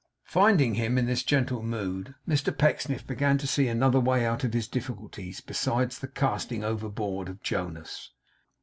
Finding him in this gentle mood, Mr Pecksniff began to see another way out of his difficulties, besides the casting overboard of Jonas.